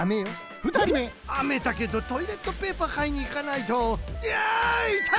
ふたりめあめだけどトイレットペーパーかいにいかないといやいたい！